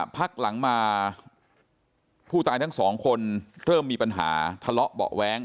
พักหลังมาผู้ตายทั้งสองคนเริ่มมีปัญหาทะเลาะเบาะแว้ง